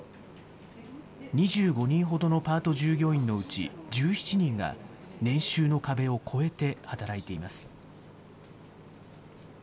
２５人ほどのパート従業員のうち１７人が、年収の壁を超えて働いています。